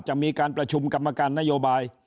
จะมีการประชุมกรรมการนโยบาย